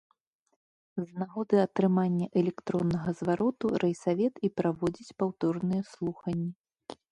З нагоды атрымання электроннага звароту райсавет і праводзіць паўторныя слуханні.